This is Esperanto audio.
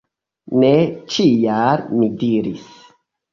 Ne, ĉial! mi diris.